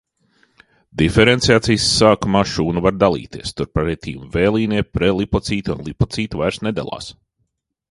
Diferenciācijas sākumā šūna var dalīties, turpretim vēlīnie prelipocīti un lipocīti vairs nedalās.